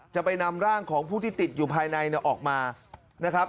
จะไปนำร่างของผู้ที่ติดอยู่ภายในออกมานะครับ